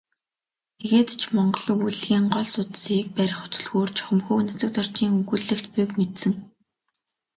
Тэгээд ч монгол өгүүллэгийн гол судсыг барих түлхүүр чухамхүү Нацагдоржийн өгүүллэгт буйг мэдсэн.